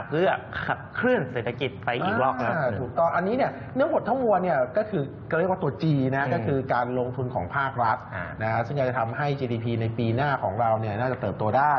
เพื่อขับเคลื่อนเศรษฐกิจไปอีกวัก